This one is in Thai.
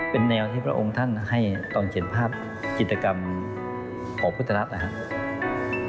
เป็นแนวที่พระองค์ท่านให้ตอนเขียนภาพกิจกรรมของพุทธรัฐนะครับ